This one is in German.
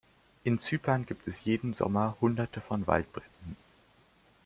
In Zypern gibt es jeden Sommer Hunderte von Waldbränden.